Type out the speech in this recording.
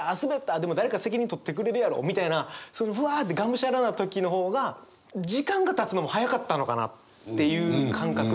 でも誰か責任取ってくれるやろみたいなそのうわってがむしゃらな時の方が時間がたつのも早かったのかなっていう感覚。